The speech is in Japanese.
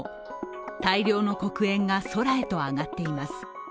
大量の黒煙が空へと上がっています。